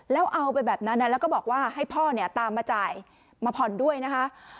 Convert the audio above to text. แล้วเอาไปแบบนั้นแล้วก็บอกว่าให้พ่อเนี่ยตามมาจ่ายมาผ่อนด้วยนะคะ